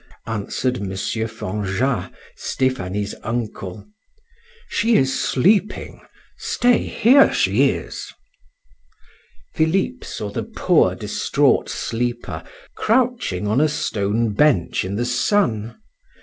answered M. Fanjat, Stephanie's uncle. "She is sleeping. Stay; here she is." Philip saw the poor distraught sleeper crouching on a stone bench in the sun.